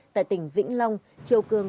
tại tỉnh vĩnh long chiều cường